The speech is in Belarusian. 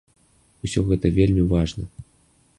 Усё гэта вельмі важна.